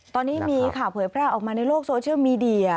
ตอนนี้มีข่าวเผยแพร่ออกมาในโลกโซเชียลมีเดีย